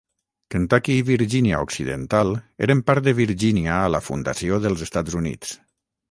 Kentucky i Virgínia Occidental eren part de Virgínia a la fundació dels Estats Units.